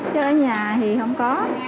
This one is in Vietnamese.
chứ ở nhà thì không có